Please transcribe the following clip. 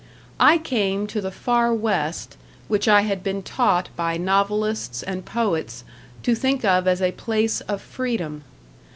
I came to the far West, which I had been taught by novelists and poets to think of as a place of freedom.